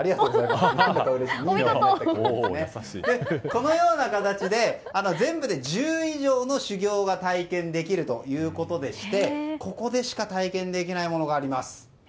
このような形で全部で１０以上の修業が体験できるということでしてここでしか体験できないものがあります。